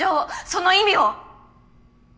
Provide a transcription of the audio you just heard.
その意味を。